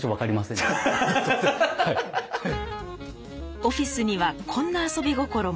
オフィスにはこんな遊び心も。